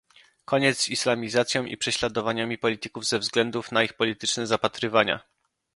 Koniec z islamizacją i prześladowaniami polityków ze względu na ich polityczne zapatrywania!